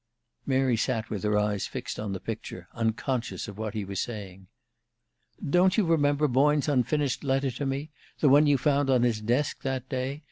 Mary sat with her eyes fixed on the picture, unconscious of what he was saying. "Don't you remember Boyne's unfinished letter to me the one you found on his desk that day?